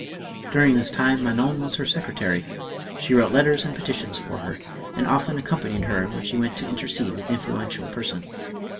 During this time Manon was her secretary ; she wrote letters and petitions for her, and often accom panied her when she went to intercede with influential persons.